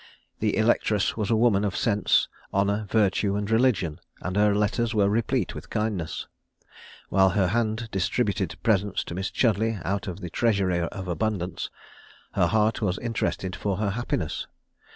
The electress was a woman of sense, honour, virtue, and religion; and her letters were replete with kindness. While her hand distributed presents to Miss Chudleigh out of the treasury of abundance, her heart was interested for her happiness.